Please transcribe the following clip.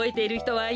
はい。